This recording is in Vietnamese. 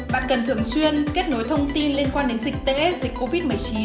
bạn cần thường xuyên kết nối thông tin liên quan đến dịch tễ dịch covid một mươi chín